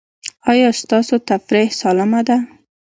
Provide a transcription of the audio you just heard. ایا ستاسو تفریح سالمه ده؟